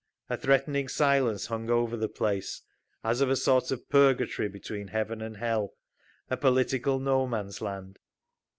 A threatening silence hung over the place—as of a sort of purgatory between heaven and hell, a political No Man's Land.